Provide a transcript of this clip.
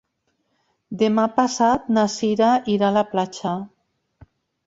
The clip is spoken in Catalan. Demà passat na Cira irà a la platja.